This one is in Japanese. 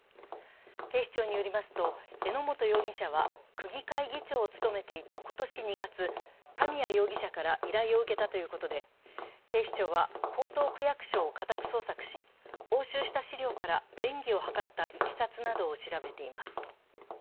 警視庁によりますと、榎本容疑者は区議会議長を務めていた今年２月、神谷容疑者から依頼を受けたということで、警視庁は江東区役所を家宅捜索し、押収した資料から便宜を図ったいきさつなどを調べています。